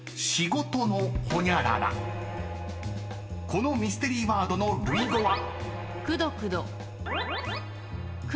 ［このミステリーワードの類語は］